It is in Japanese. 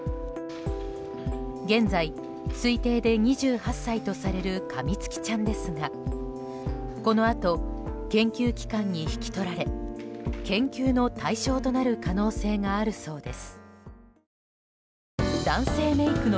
現在、推定で２８歳とされるカミツキちゃんですがこのあと研究機関に引き取られ研究の対象となる可能性があるそうです。